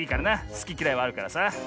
すききらいはあるからさ。